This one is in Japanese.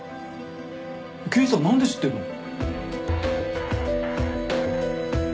刑事さんなんで知ってんの？